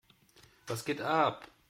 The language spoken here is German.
Was geht ab?